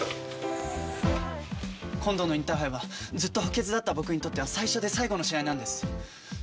今度のインターハイはずっと補欠だった僕にとっては最初で最後の試合なんです。